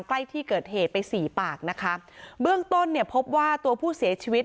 ใกล้ที่เกิดเหตุไปสี่ปากนะคะเบื้องต้นเนี่ยพบว่าตัวผู้เสียชีวิต